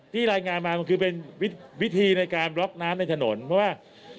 รายงานมามันคือเป็นวิธีในการบล็อกน้ำในถนนเพราะว่า